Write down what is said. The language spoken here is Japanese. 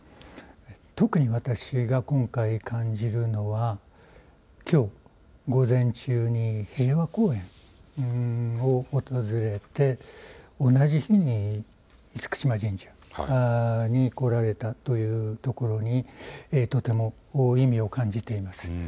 特に私が今回、感じるのはきょう午前中に平和公園を訪れて同じ日に厳島神社に来られたというところにとても意味を感じています。